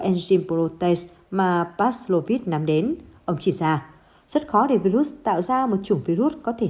protein protease mà baclovitz nắm đến ông chỉ ra rất khó để virus tạo ra một chủng virus có thể